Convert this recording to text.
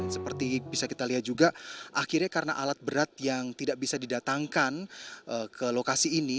seperti bisa kita lihat juga akhirnya karena alat berat yang tidak bisa didatangkan ke lokasi ini